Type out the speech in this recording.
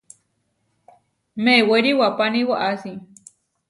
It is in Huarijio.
Mewéri iwapáni waʼási.